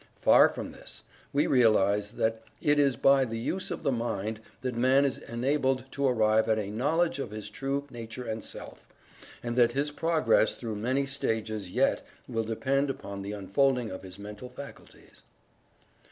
Far from this, we realize that it is by the use of the mind that Man is enabled to arrive at a knowledge of his true nature and Self, and that his progress through many stages yet will depend upon the unfolding of his mental faculties.